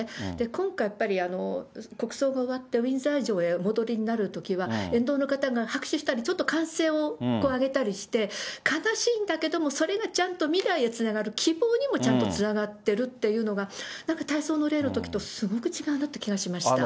今回、やっぱり、国葬が終わって、ウィンザー城へ、お戻りになるときは、沿道の方が拍手したり、ちょっと歓声を上げたりして、悲しいんだけれども、それがちゃんと未来へつながる、希望にもちゃんとつながっているっていうのが、なんか大喪の礼のときとすごく違うなって気がしました。